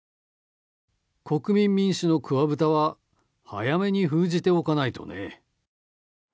国民民主の桑ブタは早めに封じておかないとね。